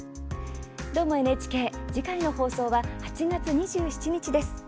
「どーも、ＮＨＫ」次回の放送は８月２７日です。